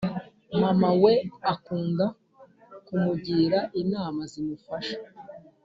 mama we akunda kumugira inama zimufasha